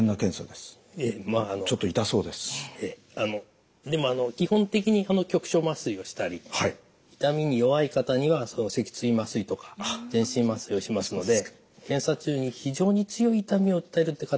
でもあの基本的に局所麻酔をしたり痛みに弱い方には脊椎麻酔とか全身麻酔をしますので検査中に非常に強い痛みを訴えるって方は少ないです。